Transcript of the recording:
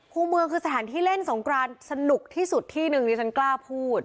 ครูเมืองคือสถานที่เล่นสงกรานสนุกที่สุดที่หนึ่งที่ฉันกล้าพูด